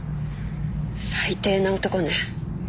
最低な男ね。